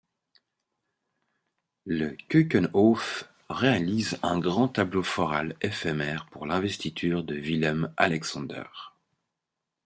Le Keukenhof réalise un grand tableau floral éphémère pour l'investiture de Willem-Alexander.